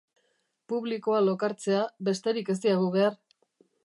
Publikoa lokartzea, besterik ez diagu behar!.